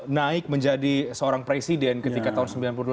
naik menjadi seorang presiden ketika tahun sembilan puluh delapan